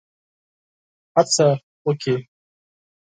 هڅه وکړي.